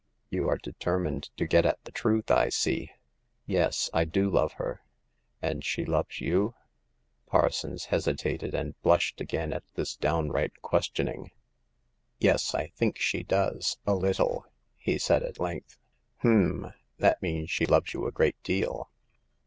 "You are determined to get at the truth, I see. Yes ; I do love her." "And she loves you ?" Parsons hesitated, and blushed again at this downright questioning. " Yes ; I think she does — a little," he said, at length. " H'm ! That means she loves you a great deal."